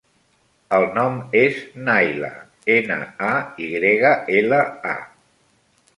El nom és Nayla: ena, a, i grega, ela, a.